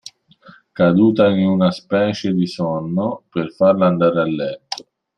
Caduta in una specie di sonno, per farla andare a letto.